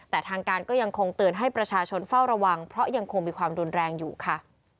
แต่ทางการก็ยังคงเตือนให้ประชาชนเฝ้าระวังเพราะยังคงมีความรุนแรงอยู่ค่ะ